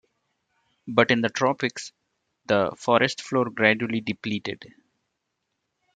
But in the tropics the forest floor gradually depleted.